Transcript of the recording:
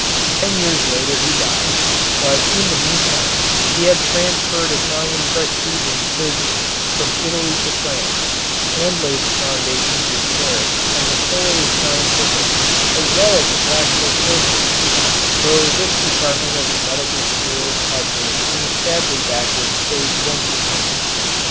Ten years later he died, but in the meantime he had transferred Italian prestige in surgery from Italy to France and laid the foundations in Paris of a thoroughly scientific as well as a practical surgery, though this department of the medical school had been in a sadly backward state when he came.